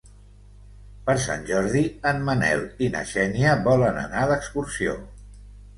Per Sant Jordi en Manel i na Xènia volen anar d'excursió.